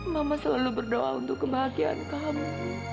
mama selalu berdoa untuk kebahagiaan kamu